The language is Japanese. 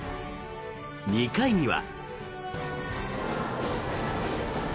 ２回には。